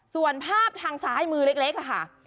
ส่วนภาพทางซ้ายมือเล็กค่ะ